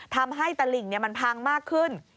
ทำให้ตลิ่งมันพังมากขึ้น